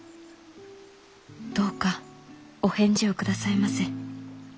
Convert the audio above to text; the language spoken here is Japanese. どうかお返事を下さいませ。